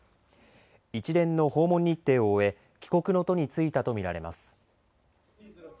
一連の訪問日程を終え帰国の途についたとみられます。